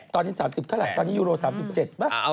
ตอนนี้๓๐เท่าไหรตอนนี้ยูโร๓๗ป่ะ